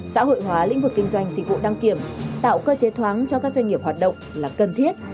xã hội hóa lĩnh vực kinh doanh dịch vụ đăng kiểm tạo cơ chế thoáng cho các doanh nghiệp hoạt động là cần thiết